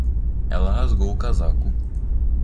Ela rasgou o casaco.